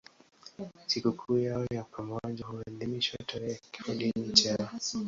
Sikukuu yao ya pamoja huadhimishwa tarehe ya kifodini chao.